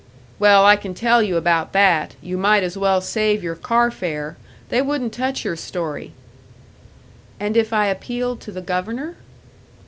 "Well, I can tell you about that you might as well save your car fare. They wouldn't touch your story." "And if I appealed to the Governor?"